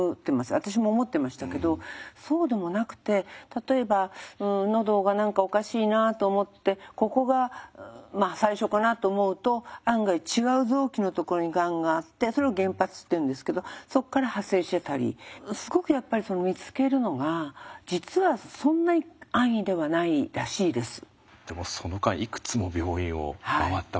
私も思ってましたけどそうでもなくて例えばのどが何かおかしいなと思ってここが最初かなと思うと案外違う臓器のところにがんがあってそれを原発っていうんですけどそっから派生してたりすごくやっぱりでもその間いくつも病院を回ったわけですよね。